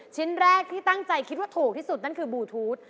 ชิ้นแรกที่ตั้งใจคิดว่าถูกที่สุดนั่นคือบลูทูธ